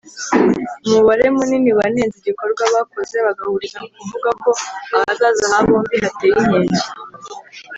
umubare munini wanenze igikorwa bakoze bagahuriza ku kuvuga ko ‘ahazaza ha bombi hateye inkeke’